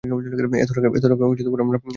এত টাকা আমরা কোথায় পাবো?